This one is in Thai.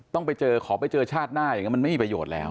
ต้องไปเจอขอไปเจอชาติหน้าอย่างนี้มันไม่มีประโยชน์แล้ว